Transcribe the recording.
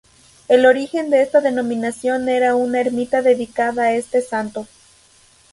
El origen de esta denominación era una ermita dedicada a este santo.